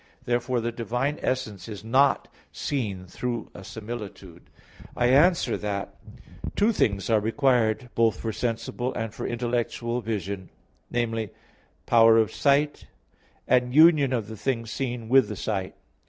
Therefore the divine essence is not seen through a similitude. I answer that, Two things are required both for sensible and for intellectual vision viz. power of sight, and union of the thing seen with the sight.